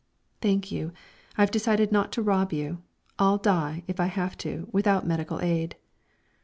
"Thank you, I've decided not to rob you. I'll die, if I have to, without medical aid."